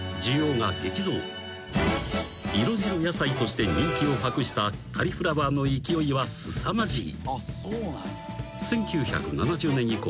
［色白野菜として人気を博したカリフラワーの勢いはすさまじい］